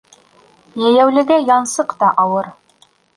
Йәйәүлегә янсыҡ та ауыр.